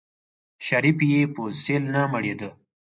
شريف يې په سيل نه مړېده.